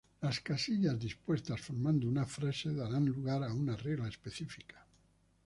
Las casillas dispuestas formando una frase darán lugar a una regla específica.